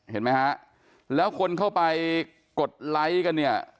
เห็นไหมฮะแล้วคนเข้าไปกดไลค์กันเนี่ย